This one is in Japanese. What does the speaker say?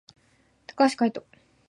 高橋海人